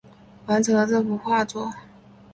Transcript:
完成了这幅画作